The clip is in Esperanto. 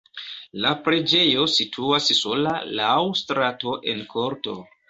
La preĝejo situas sola laŭ strato en korto.